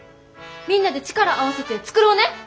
みんなで力合わせて作ろうね！